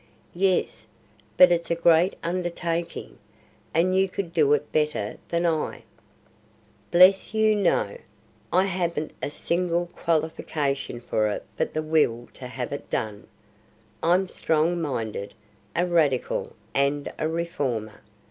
"Yes, but it's a great undertaking, and you could do it better than I." "Bless you, no! I haven't a single qualification for it but the will to have it done. I'm 'strong minded,' a radical, and a reformer.